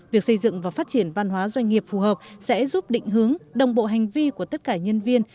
việc xây dựng và phát triển văn hóa doanh nghiệp phù hợp sẽ giúp định hướng đồng bộ hành vi của tất cả nhân viên